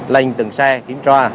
lên từng xe kiểm tra